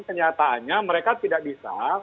kenyataannya mereka tidak bisa